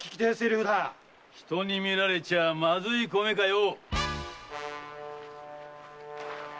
人に見られちゃまずい米かよ！